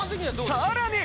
さらに！